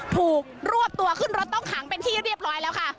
ถูกรวบตัวขึ้นรถต้องขังเป็นที่เรียบร้อยแล้วค่ะ